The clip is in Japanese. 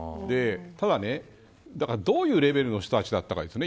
ただ、どういうレベルの人たちだったかですね。